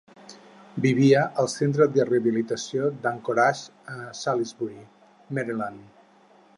Vivia al centre de rehabilitació d'Anchorage a Salisbury, Maryland.